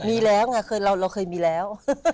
มีแล้วไงเราเคยมีแล้ว